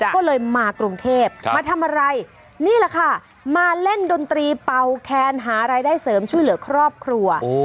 ก็เลยมากรุงเทพมาทำอะไรนี่แหละค่ะมาเล่นดนตรีเป่าแคนหารายได้เสริมช่วยเหลือครอบครัว